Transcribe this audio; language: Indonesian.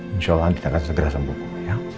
insya allah kita akan segera sembuh